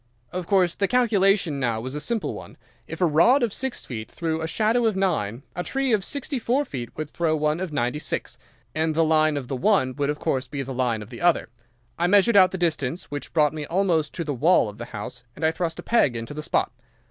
"Of course the calculation now was a simple one. If a rod of six feet threw a shadow of nine, a tree of sixty four feet would throw one of ninety six, and the line of the one would of course be the line of the other. I measured out the distance, which brought me almost to the wall of the house, and I thrust a peg into the spot.